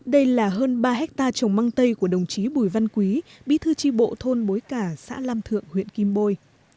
đây là hơn ba hectare trồng măng tây của đồng chí bùi văn quý bí thư tri bộ thôn bối cả xã lam thượng huyện kim bôi